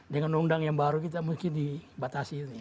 dengan undang yang baru kita mungkin dibatasi